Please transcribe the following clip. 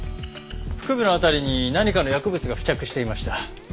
腹部の辺りに何かの薬物が付着していました。